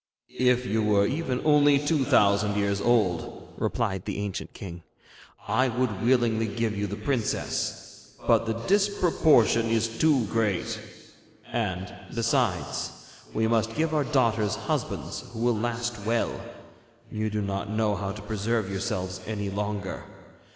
'If you were even only two thousand years old,' replied the ancient king, 'I would willingly give you the princess, but the disproportion is too great; and, besides, we must give our daughters husbands who will last well. You do not know how to preserve yourselves any longer.